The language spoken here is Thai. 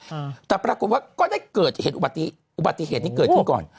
อืมแต่ปรากฏว่าก็ได้เกิดเหตุอุบัติอุบัติเหตุนี้เกิดขึ้นก่อน